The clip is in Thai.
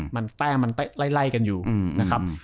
มันแต้มมันไล่กันอยู่นะครับ